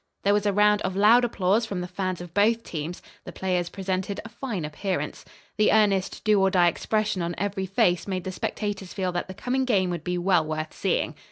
There was a round of loud applause from the fans of both teams. The players presented a fine appearance. The earnest, "do or die" expression on every face made the spectators feel that the coming game would be well worth seeing.